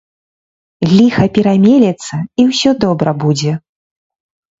Ліха перамелецца, і ўсё добра будзе.